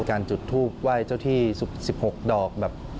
การจุดทูปไหว้เจ้าที่๑๖ดอกแบบ